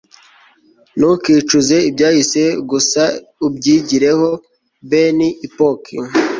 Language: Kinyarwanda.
ntukicuze ibyahise, gusa ubyigireho. - ben ipock